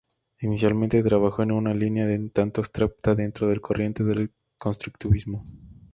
Inicialmente trabajó en una línea un tanto abstracta dentro de la corriente del constructivismo.